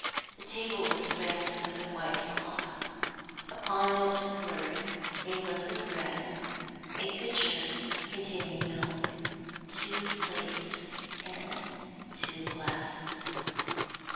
The table was spread with a white cloth; upon it were a loaf of bread, a pitcher containing milk, two plates, and two glasses.